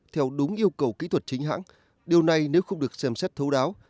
theo đúng yêu cầu kỹ thuật chính hãng điều này nếu không được xem xét thấu đáo